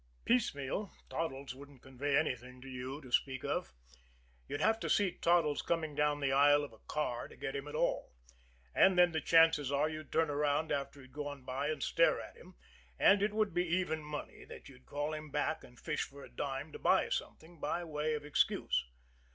Piecemeal, Toddles wouldn't convey anything to you to speak of. You'd have to see Toddles coming down the aisle of a car to get him at all and then the chances are you'd turn around after he'd gone by and stare at him, and it would be even money that you'd call him back and fish for a dime to buy something by way of excuse.